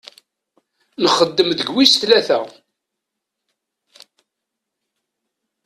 Nxeddem deg wis tlata?